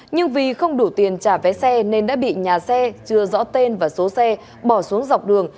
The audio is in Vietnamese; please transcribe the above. nhưng vì không đủ tiền trả vé xe nên đã bị nhà xe chưa rõ tên và số xe bỏ xuống dọc đường